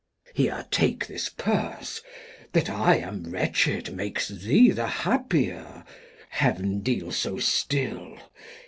Here take this Purse ; that I am wretched Makes thee the happier, Heav'n deal so still.